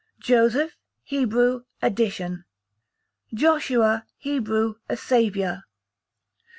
Joseph, Hebrew, addition. Joshua, Hebrew, a Saviour.